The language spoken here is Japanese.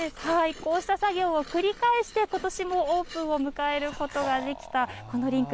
こうした作業を繰り返して、ことしもオープンを迎えることができたこのリンク。